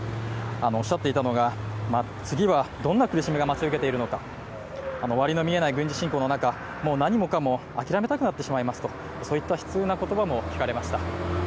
おっしゃっていたのが次はどんな苦しみが待ち受けているのか終わりの見えない軍事侵攻の中、もう何もかも諦めたくなってしまいますというそういった悲痛な言葉も聞かれました。